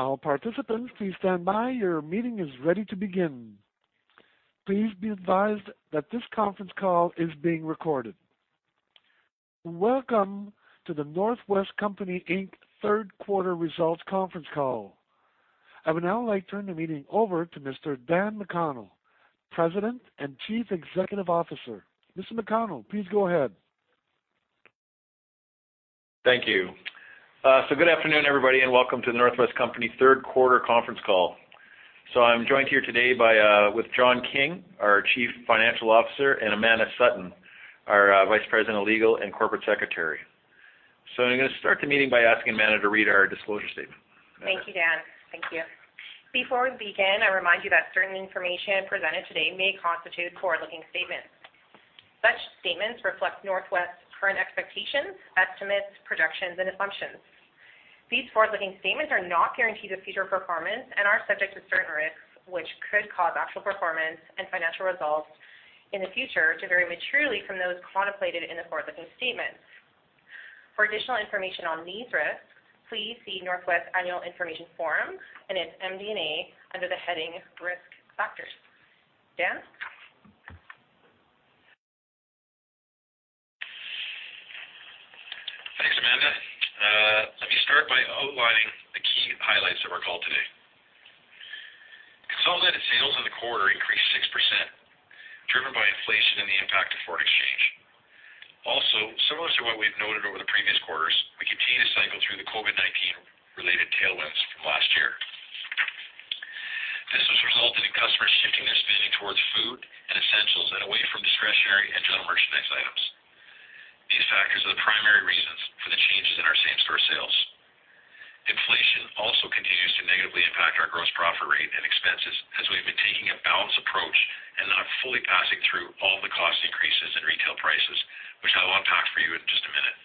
All participants, please stand by. Your meeting is ready to begin. Please be advised that this conference call is being recorded. Welcome to The North West Company Inc. Third Quarter Results Conference Call. I would now like to turn the meeting over to Mr. Dan McConnell, President and Chief Executive Officer. Mr. McConnell, please go ahead. Thank you. Good afternoon, everybody, and welcome to The North West Company third quarter conference call. I'm joined here today by with John King, our Chief Financial Officer, and Amanda Sutton, our Vice President of Legal and Corporate Secretary. I'm gonna start the meeting by asking Amanda to read our disclosure statement. Amanda. Thank you, Dan. Thank you. Before we begin, I remind you that certain information presented today may constitute forward-looking statements. Such statements reflect North West's current expectations, estimates, projections, and assumptions. These forward-looking statements are not guarantees of future performance and are subject to certain risks, which could cause actual performance and financial results in the future to vary materially from those contemplated in the forward-looking statements. For additional information on these risks, please see North West Annual Information Form and its MD&A under the heading Risk Factors. Dan? Thanks, Amanda. Let me start by outlining the key highlights of our call today. Consolidated sales in the quarter increased 6%, driven by inflation and the impact of foreign exchange. Similar to what we've noted over the previous quarters, we continue to cycle through the COVID-19 related tailwinds from last year. This has resulted in customers shifting their spending towards food and essentials and away from discretionary and general merchandise items. These factors are the primary reasons for the changes in our same-store sales. Inflation also continues to negatively impact our gross profit rate and expenses as we've been taking a balanced approach and not fully passing through all the cost increases in retail prices, which I will unpack for you in just a minute.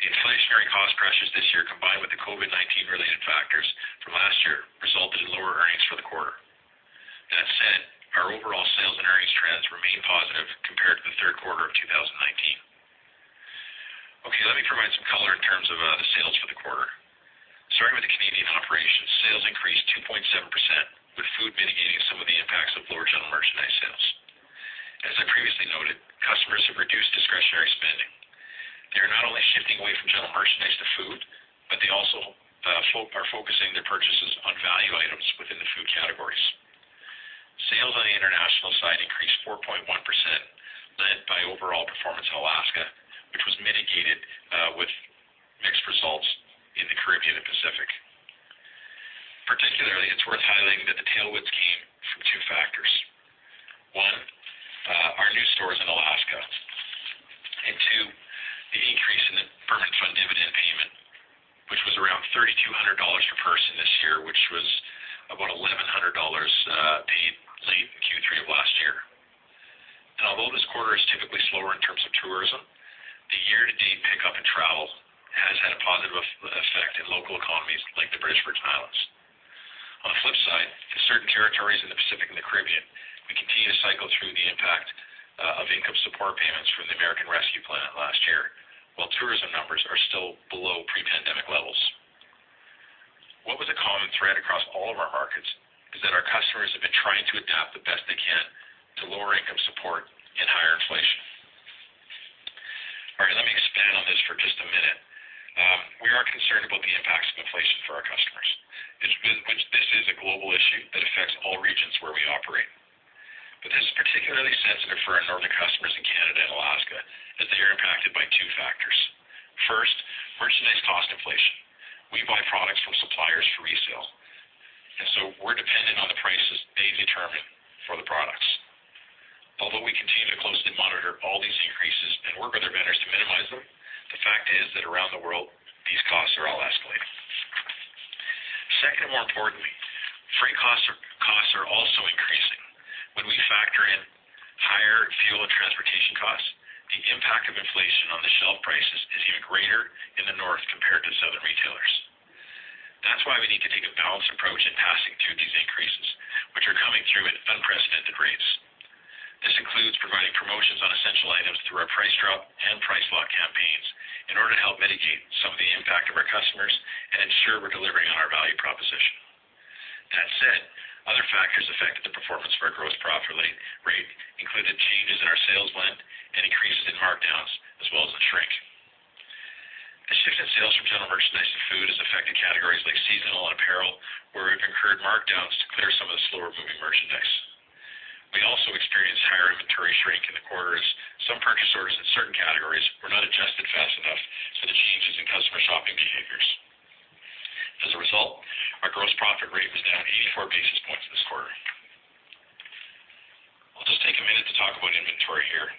The inflationary cost pressures this year, combined with the COVID-19 related factors from last year, resulted in lower earnings for the quarter. That said, our overall sales and earnings trends remain positive compared to the third quarter of 2019. Okay, let me provide some color in terms of the sales for the quarter. Starting with the Canadian operations, sales increased 2.7%, with food mitigating some of the impacts of lower general merchandise sales. As I previously noted, customers have reduced discretionary spending. They are not only shifting away from general merchandise to food, but they also are focusing their purchases on value items within the food categories. Sales on the international side increased 4.1%, led by overall performance in Alaska, which was mitigated with mixed results in the Caribbean and Pacific. Particularly, it's worth highlighting that the tailwinds came from two factors. One, our new stores in Alaska, two, the increase in the Permanent Fund Dividend payment, which was around $3,200 per person this year, which was about $1,100 paid late in Q3 of last year. Although this quarter is typically slower in terms of tourism, the year-to-date pickup in travel has had a positive effect in local economies like the British Virgin Islands. On the flip side, in certain territories in the Pacific and the Caribbean, we continue to cycle through the impact of income support payments from the American Rescue Plan last year, while tourism numbers are still below pre-pandemic levels. What was a common thread across all of our markets is that our customers have been trying to adapt the best they can to lower income support and higher inflation. All right, let me expand on this for just a minute. We are concerned about the impacts of inflation for our customers. This is a global issue that affects all regions where we operate. This is particularly sensitive for our northern customers in Canada and Alaska, as they are impacted by two factors. First, merchandise cost inflation. We buy products from suppliers for resale, so we're dependent on the prices they determine for the products. Although we continue to closely monitor all these increases and work with our vendors to minimize them, the fact is that around the world, these costs are all escalating. Second, more importantly, freight costs are also increasing. When we factor in higher fuel and transportation costs, the impact of inflation on the shelf prices is even greater in the North compared to southern retailers. That's why we need to take a balanced approach in passing through these increases, which are coming through at unprecedented rates. This includes providing promotions on essential items through our price drop and price lock campaigns in order to help mitigate some of the impact of our customers and ensure we're delivering on our value proposition. That said, other factors affected the performance of our gross profit rate, including changes in our sales blend and increases in markdowns as well as the shrink. The shift in sales from general merchandise to food has affected categories like seasonal and apparel, where we've incurred markdowns to clear some of the slower-moving merchandise. We also experienced higher inventory shrink in the quarter as some purchase orders in certain categories were not adjusted fast enough to the changes in customer shopping behaviors. As a result, our gross profit rate was down 84 basis points this quarter. I'll just take a minute to talk about inventory here.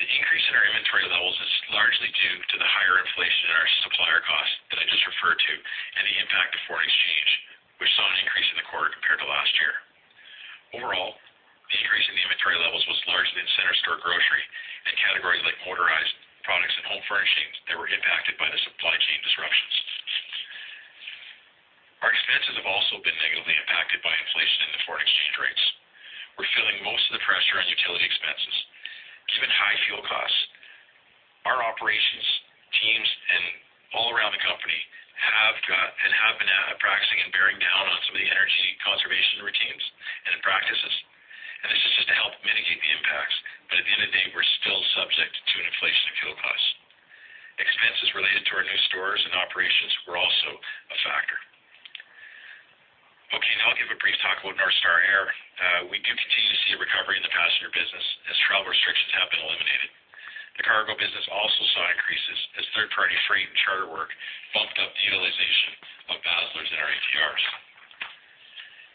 The increase in our inventory levels is largely due to the higher inflation in our supplier costs that I just referred to and the impact of foreign exchange, which saw an increase in the quarter compared to last year. Overall, the increase in the inventory levels was largely in center store grocery and categories like motorized products and home furnishings that were impacted by the supply chain disruptions. Expenses have also been negatively impacted by inflation and the foreign exchange rates. We're feeling most of the pressure on utility expenses, given high fuel costs. Our operations teams and all around the company have been practicing and bearing down on some of the energy conservation routines and practices. This is just to help mitigate the impacts. At the end of the day, we're still subject to an inflation of fuel costs. Expenses related to our new stores and operations were also a factor. Okay, I'll give a brief talk about North Star Air. We do continue to see a recovery in the passenger business as travel restrictions have been eliminated. The cargo business also saw increases as third-party freight and charter work bumped up the utilization of Baslers and our ATRs.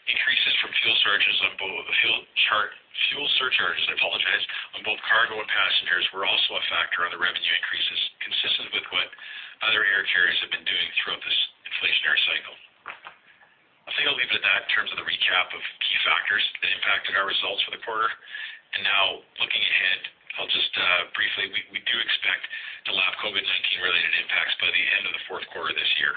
Increases from fuel surcharges, I apologize, on both cargo and passengers were also a factor on the revenue increases consistent with what other air carriers have been doing throughout this inflationary cycle. I think I'll leave it at that in terms of the recap of key factors that impacted our results for the quarter. Now looking ahead, I'll just briefly, we do expect the last COVID-19 related impacts by the end of the fourth quarter this year.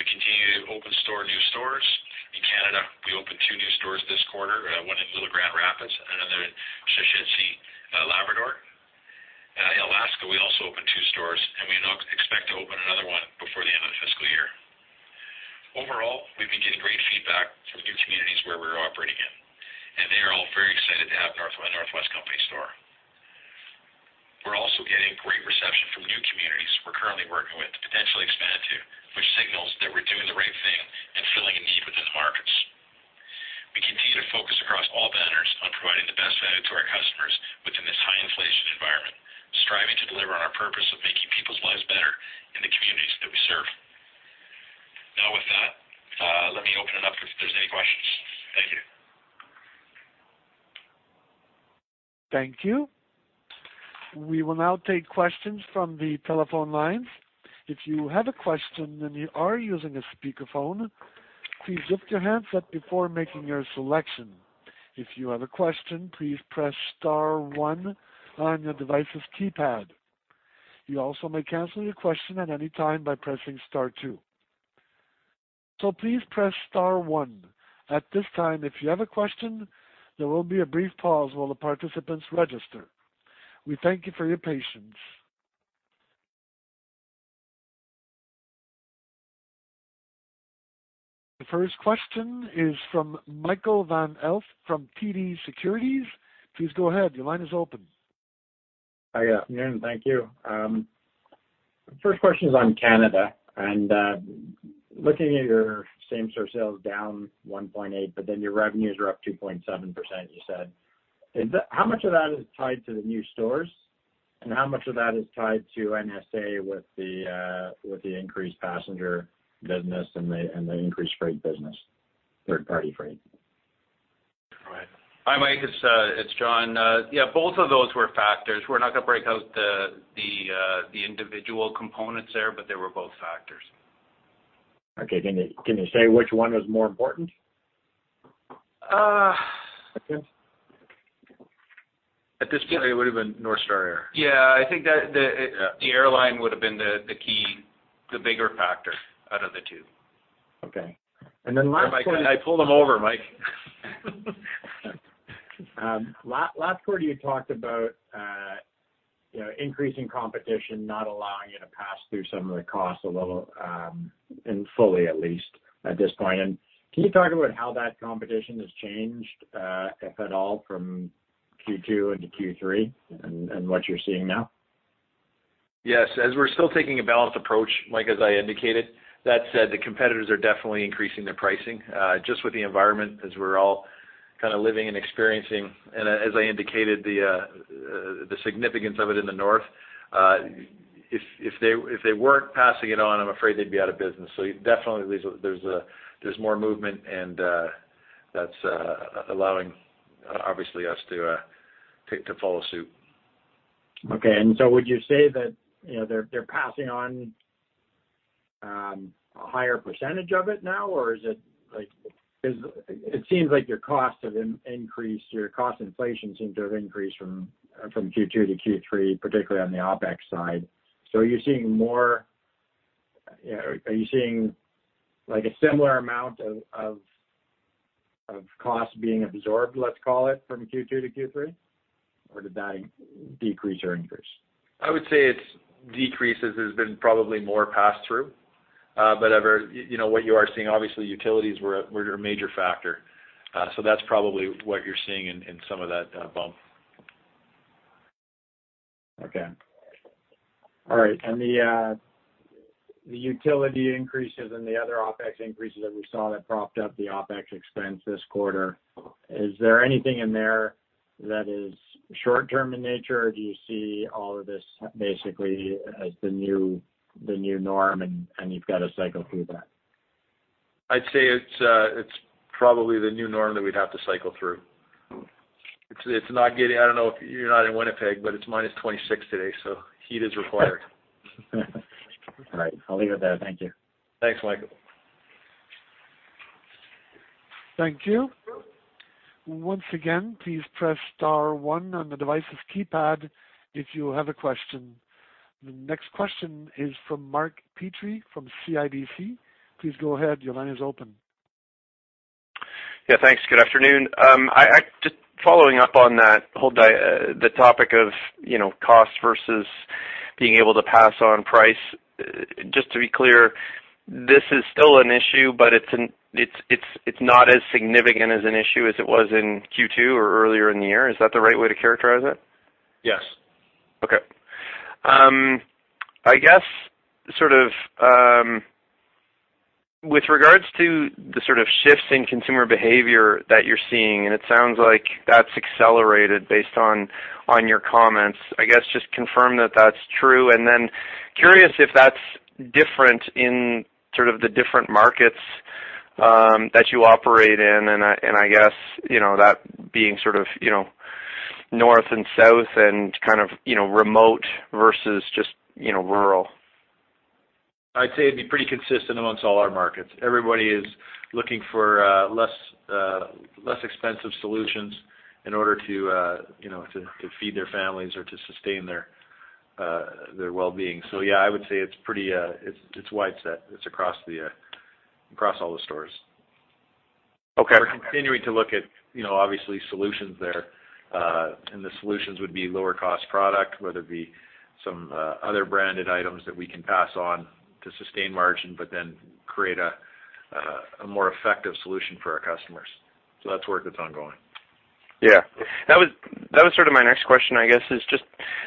We continue to open new stores. In Canada, we opened two new stores this quarter, one in Little Grand Rapids, another in Sheshatshiu, Labrador. In Alaska, we also opened two stores, and we now expect to open another one before the end of the fiscal year. Overall, we've been getting great feedback from new communities where we're operating in, and they are all very excited to have The North West Company store. We're also getting great reception from new communities we're currently working with to potentially expand to, which signals that we're doing the right thing and filling a need within the markets. We continue to focus across all banners on providing the best value to our customers within this high inflation environment, striving to deliver on our purpose of making people's lives better in the communities that we serve. Now with that, let me open it up if there's any questions. Thank you. Thank you. We will now take questions from the telephone lines. If you have a question and you are using a speakerphone, please mute your handset before making your selection. If you have a question, please press star one on your device's keypad. You also may cancel your question at any time by pressing star two. Please press star one. At this time, if you have a question, there will be a brief pause while the participants register. We thank you for your patience. The first question is from Michael Van Aelst from TD Securities. Please go ahead. Your line is open. Hi. Good afternoon. Thank you. First question is on Canada. Looking at your same-store sales down 1.8, but then your revenues are up 2.7%, you said. How much of that is tied to the new stores, and how much of that is tied to NSA with the increased passenger business and the increased freight business, third-party freight? All right. Hi, Mike. It's, it's John. Yeah, both of those were factors. We're not gonna break out the individual components there, but they were both factors. Okay. Can you say which one was more important? Uh. Okay. At this point. It would have been North Star Air. Yeah, I think that the airline would have been the key, the bigger factor out of the two. Okay. last one- I pulled them over, Mike. Last quarter, you talked about, you know, increasing competition, not allowing you to pass through some of the costs a little, in fully at least at this point. Can you talk about how that competition has changed, if at all from Q2 into Q3 and what you're seeing now? Yes. As we're still taking a balanced approach, Mike, as I indicated, that said, the competitors are definitely increasing their pricing, just with the environment as we're all kind of living and experiencing. As I indicated, the significance of it in the North, if they, if they weren't passing it on, I'm afraid they'd be out of business. Definitely there's more movement, and that's allowing obviously us to follow suit. Would you say that, you know, they're passing on a higher percentage of it now, or is it like It seems like your costs have increased, your cost inflation seems to have increased from Q2-Q3, particularly on the OpEx side. Are you seeing more Yeah. Are you seeing like a similar amount of costs being absorbed, let's call it, from Q2-Q3? Did that decrease or increase? I would say it's decreases. There's been probably more pass-through, you know, what you are seeing, obviously utilities were a major factor. That's probably what you're seeing in some of that bump. Okay. All right. The utility increases and the other OpEx increases that we saw that propped up the OpEx expense this quarter, is there anything in there that is short-term in nature, or do you see all of this basically as the new, the new norm and you've got to cycle through that? I'd say it's probably the new norm that we'd have to cycle through. Mm-hmm. I don't know if you're not in Winnipeg, but it's minus 26 today. Heat is required. All right, I'll leave it there. Thank you. Thanks, Michael. Thank you. Once again, please press star one on the devices keypad if you have a question. The next question is from Mark Petrie from CIBC. Please go ahead. Your line is open. Yeah, thanks. Good afternoon. just following up on that whole topic of, you know, cost versus being able to pass on price. Just to be clear, this is still an issue, but it's not as significant as an issue as it was in Q2 or earlier in the year. Is that the right way to characterize it? Yes. Okay. I guess sort of, with regards to the sort of shifts in consumer behavior that you're seeing, and it sounds like that's accelerated based on your comments. I guess just confirm that that's true and then curious if that's different in sort of the different markets, that you operate in. I guess, you know, that being sort of, you know, north and south and kind of, you know, remote versus just, you know, rural. I'd say it'd be pretty consistent amongst all our markets. Everybody is looking for, less, less expensive solutions in order to, you know, to feed their families or to sustain their well-being. Yeah, I would say it's pretty, it's widespread. It's across all the stores. Okay. We're continuing to look at, you know, obviously solutions there, and the solutions would be lower cost product, whether it be some other branded items that we can pass on to sustain margin, but then create a more effective solution for our customers. That's work that's ongoing. Yeah. That was sort of my next question, I guess, is just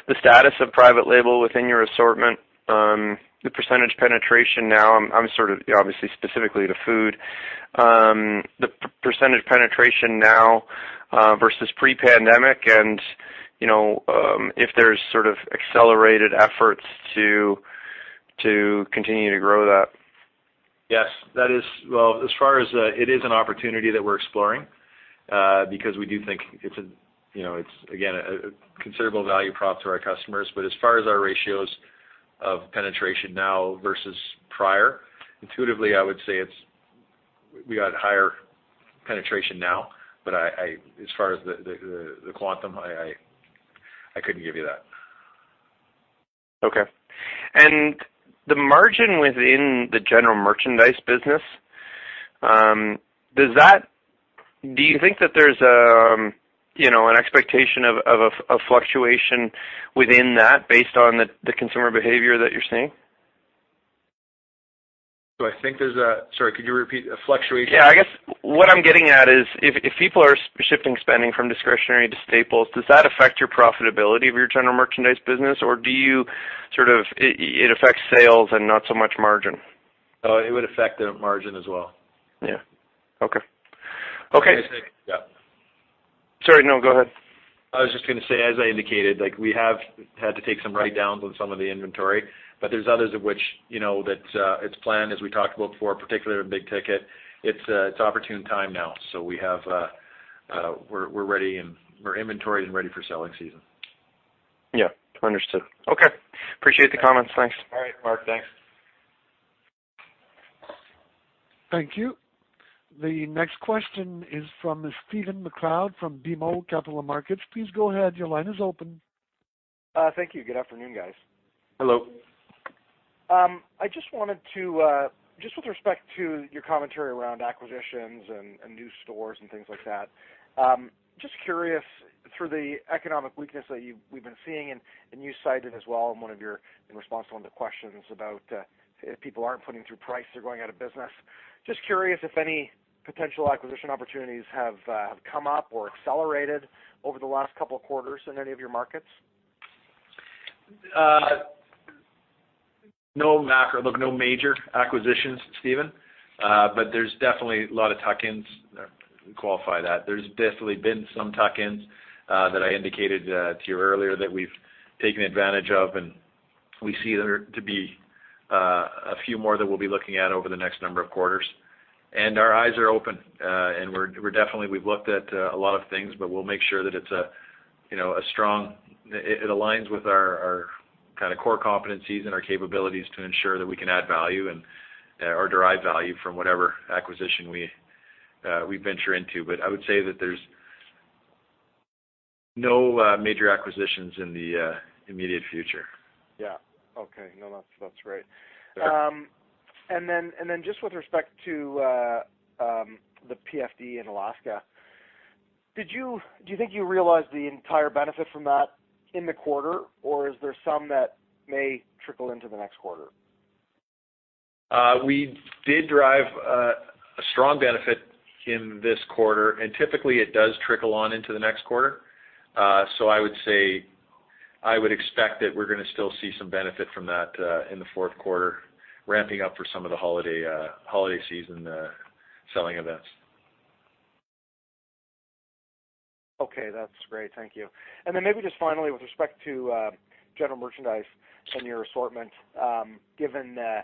the status of private label within your assortment, the percentage penetration now. I'm sort of obviously specifically to food, the percentage penetration now, versus pre-pandemic and you know, if there's sort of accelerated efforts to continue to grow that. Yes. That is. Well, as far as it is an opportunity that we're exploring, because we do think it's a, you know, it's again, a considerable value prop to our customers. As far as our ratios of penetration now versus prior, intuitively, I would say we got higher penetration now, but as far as the quantum, I couldn't give you that. Okay. The margin within the general merchandise business, do you think that there's, you know, an expectation of a fluctuation within that based on the consumer behavior that you're seeing? Sorry, could you repeat? Yeah, I guess what I'm getting at is if people are shifting spending from discretionary to staples, does that affect your profitability of your general merchandise business, or do you sort of it affects sales and not so much margin? It would affect the margin as well. Yeah. Okay. Okay. Yeah. Sorry. No, go ahead. I was just gonna say, as I indicated, like we have had to take some write downs on some of the inventory, but there's others of which, you know, that, it's planned, as we talked about before, particularly in big ticket. It's opportune time now. We have, we're ready and we're inventory and ready for selling season. Yeah. Understood. Okay. Appreciate the comments. Thanks. All right, Mark. Thanks. Thank you. The next question is from Stephen MacLeod from BMO Capital Markets. Please go ahead. Your line is open. Thank you. Good afternoon, guys. Hello. I just wanted to just with respect to your commentary around acquisitions and new stores and things like that, just curious through the economic weakness that we've been seeing, and you cited as well in response to one of the questions about if people aren't putting through price, they're going out of business. Just curious if any potential acquisition opportunities have come up or accelerated over the last couple of quarters in any of your markets? No macro. Look, no major acquisitions, Stephen. There's definitely a lot of tuck-ins. Let me qualify that. There's definitely been some tuck-ins that I indicated to you earlier that we've taken advantage of, and we see there to be a few more that we'll be looking at over the next number of quarters. Our eyes are open, and we're definitely we've looked at a lot of things, but we'll make sure that it's a, you know, a strong... It aligns with our, kind of, core competencies and our capabilities to ensure that we can add value and, or derive value from whatever acquisition we venture into. I would say that there's no major acquisitions in the immediate future. Yeah. Okay. No, that's right. Just with respect to the PFD in Alaska, do you think you realized the entire benefit from that in the quarter, or is there some that may trickle into the next quarter? We did derive a strong benefit in this quarter. Typically it does trickle on into the next quarter. I would expect that we're gonna still see some benefit from that in the fourth quarter ramping up for some of the holiday season selling events. Okay, that's great. Thank you. Maybe just finally with respect to general merchandise and your assortment, given the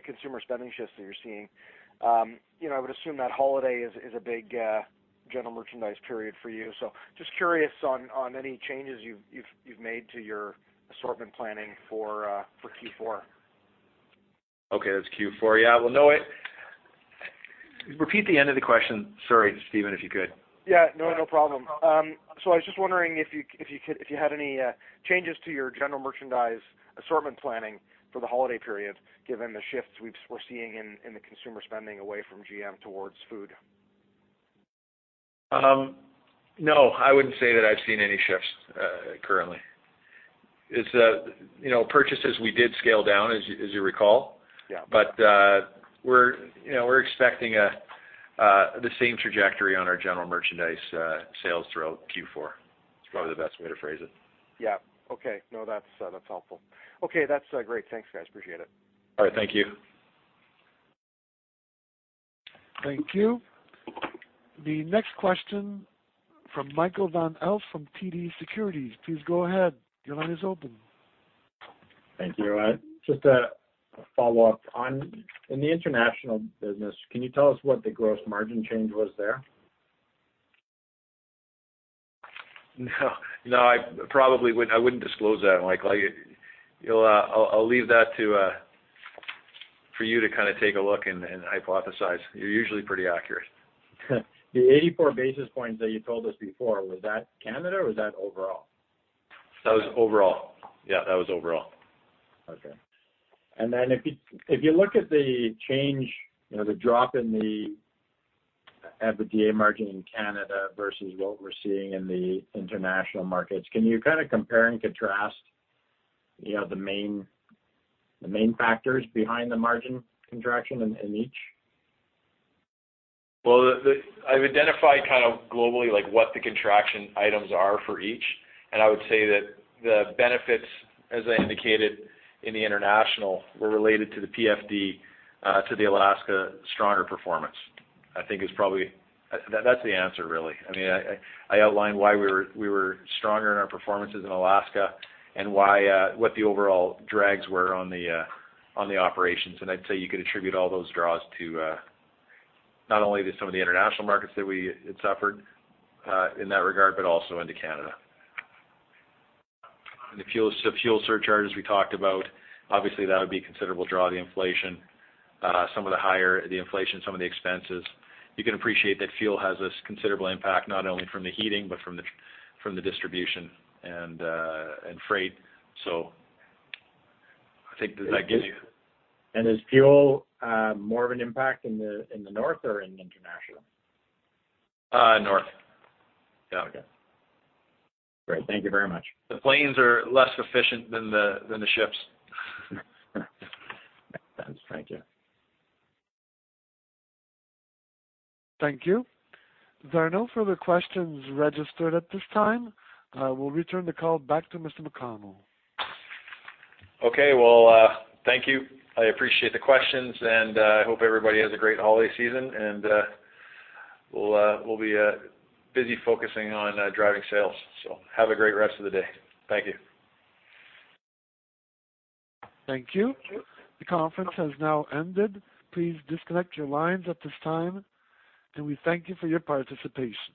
consumer spending shifts that you're seeing, you know, I would assume that holiday is a big general merchandise period for you. Just curious on any changes you've made to your assortment planning for Q4. Okay. That's Q4. Yeah. Well, no, Repeat the end of the question. Sorry, Stephen, if you could. Yeah. No, no problem. I was just wondering if you, if you had any changes to your general merchandise assortment planning for the holiday period, given the shifts we're seeing in the consumer spending away from GM towards food. No, I wouldn't say that I've seen any shifts, currently. It's, you know, purchases we did scale down, as you recall. Yeah. We're, you know, we're expecting the same trajectory on our general merchandise sales throughout Q4. It's probably the best way to phrase it. Yeah. Okay. No, that's helpful. Okay, that's, great. Thanks, guys. Appreciate it. All right. Thank you. Thank you. The next question from Michael Van Aelst from TD Securities. Please go ahead. Your line is open. Thank you. Just a follow-up. In the international business, can you tell us what the gross margin change was there? No, I probably wouldn't disclose that, Michael. I'll leave that to for you to kinda take a look and hypothesize. You're usually pretty accurate. The 84 basis points that you told us before, was that Canada or was that overall? That was overall. Yeah, that was overall. Okay. If you look at the change, you know, the drop in the EBITDA margin in Canada versus what we're seeing in the international markets, can you kinda compare and contrast, you know, the main factors behind the margin contraction in each? Well, I've identified kind of globally like what the contraction items are for each, and I would say that the benefits, as I indicated in the international, were related to the PFD, to the Alaska stronger performance. I think it's probably. That's the answer really. I mean, I outlined why we were stronger in our performances in Alaska and why, what the overall drags were on the operations, and I'd say you could attribute all those draws to, not only to some of the international markets that we had suffered in that regard, but also into Canada. The fuel, so fuel surcharges we talked about, obviously that would be a considerable draw. The inflation, some of the higher inflation, some of the expenses. You can appreciate that fuel has this considerable impact, not only from the heating, but from the distribution and freight. I think, does that get you? is fuel, more of an impact in the, in the north or in international? North West. Okay. Great. Thank you very much. The planes are less efficient than the ships. Makes sense. Thank you. Thank you. There are no further questions registered at this time. We'll return the call back to Mr. McConnell. Okay. Well, thank you. I appreciate the questions, and I hope everybody has a great holiday season, and we'll be busy focusing on driving sales. Have a great rest of the day. Thank you. Thank you. The conference has now ended. Please disconnect your lines at this time, and we thank you for your participation.